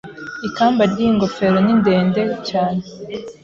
Ikamba ryiyi ngofero ni ndende cyane.